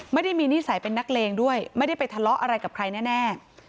ไม่ได้มีนิสัยเป็นนักเลงด้วยไม่ได้ไปทะเลาะอะไรกับใครแน่